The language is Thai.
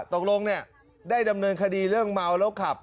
ตกลงได้ดำเนินคดีเรื่องเมาแล้วขับ